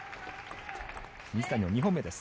水谷の２本目です。